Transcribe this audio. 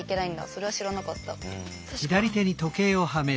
それは知らなかった。